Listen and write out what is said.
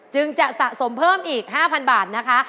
จึงจะสะสมเพิ่มอีก๕๐๐บาทนะคะ